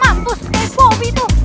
mampus kayak bobby tuh